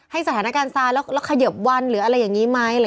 สถานการณ์ซายแล้วเขยิบวันหรืออะไรอย่างนี้ไหม